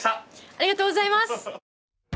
ありがとうございます！